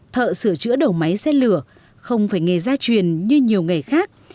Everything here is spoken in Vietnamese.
thợ sửa chữa đầu máy xét lửa không phải nghề gia truyền như nhiều nghề khác